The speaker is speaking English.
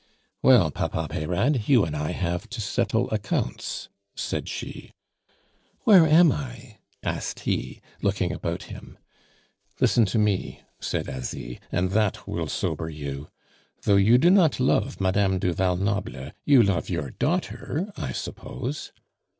"Well, Papa Peyrade, you and I have to settle accounts," said she. "Where am I?" asked he, looking about him. "Listen to me," said Asie, "and that will sober you. Though you do not love Madame du Val Noble, you love your daughter, I suppose?"